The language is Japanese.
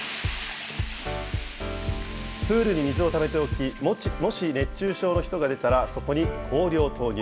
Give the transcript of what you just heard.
プールに水をためておき、もし熱中症の人が出たら、そこに氷を投入。